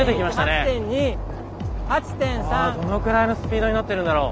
ああどのくらいのスピードになってるんだろう。